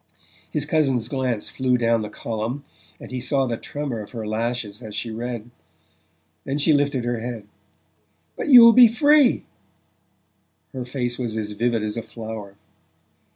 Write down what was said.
His cousin's glance flew down the column, and he saw the tremor of her lashes as she read. Then she lifted her head. "But you'll be free!" Her face was as vivid as a flower.